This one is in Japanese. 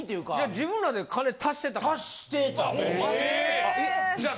自分らで金足してたから。